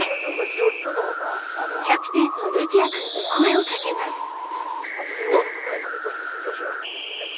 ［キャプテンのるきあ君に声を掛けます］